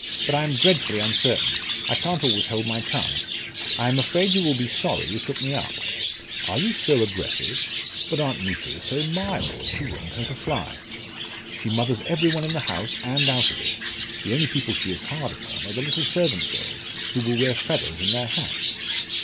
"But I am dreadfully uncertain I can't always hold my tongue I am afraid you will be sorry you took me up." "Are you so aggressive? But Aunt Neta is so mild! she wouldn't hurt a fly. She mothers every one in the house and out of it. The only people she is hard upon are the little servant girls, who will wear feathers in their hats!"